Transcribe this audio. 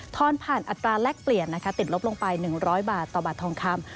อนผ่านอัตราแลกเปลี่ยนนะคะติดลบลงไป๑๐๐บาทต่อบาททองคำ